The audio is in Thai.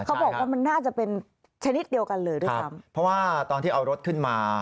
เขาบอกว่ามันน่าจะเป็นชนิดเดียวกันเลยด้วยซ้ำเพราะว่าตอนที่เอารถขึ้นมา